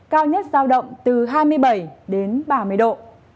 cao nhất giao động từ hai mươi bảy đến ba mươi độ